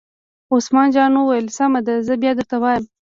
عثمان جان وویل: سمه ده زه بیا درته وایم.